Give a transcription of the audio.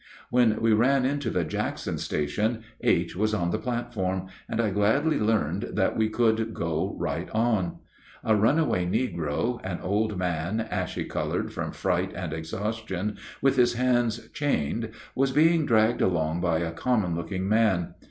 When we ran into the Jackson station, H. was on the platform, and I gladly learned that we could go right on. A runaway negro, an old man, ashy colored from fright and exhaustion, with his hands chained, was being dragged along by a common looking man.